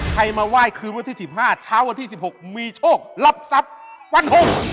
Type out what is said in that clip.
ใครมาไหว้คืนวันที่๑๕เช้าวันที่๑๖มีโชครับทรัพย์ฟันหก